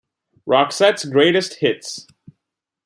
Roxette's Greatest Hits.